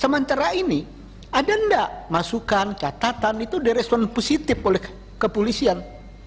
sementara ini ada enggak masukan catatan itu direspon positif oleh kepolisian